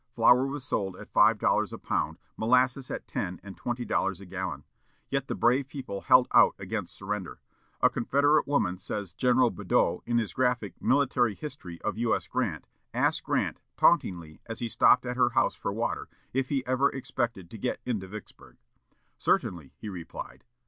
Flour was sold at five dollars a pound; molasses at ten and twelve dollars a gallon. Yet the brave people held out against surrender. A Confederate woman, says General Badeau, in his graphic "Military History of U. S. Grant," asked Grant, tauntingly, as he stopped at her house for water, if he ever expected to get into Vicksburg. "Certainly," he replied.